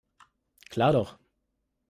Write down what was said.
Klar doch.